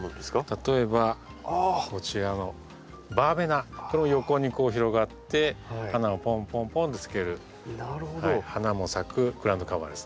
例えばこちらの「バーベナ」これも横にこう広がって花をぽんぽんぽんとつける花も咲くグラウンドカバーですね。